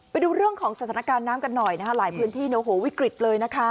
ไปดูเรื่องของสถานการณ์น้ำกันหน่อยนะคะหลายพื้นที่วิกฤตเลยนะคะ